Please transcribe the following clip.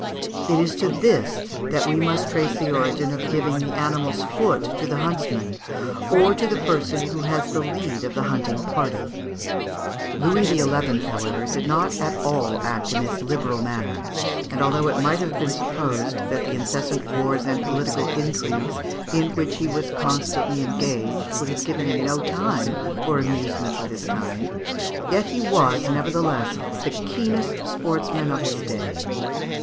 It is to this that we must trace the origin of giving the animal's foot to the huntsman or to the person who has the lead of the hunting party. Louis XI., however, did not at all act in this liberal manner, and although it might have been supposed that the incessant wars and political intrigues in which he was constantly engaged would have given him no time for amusements of this kind, yet he was, nevertheless, the keenest sportsman of his day.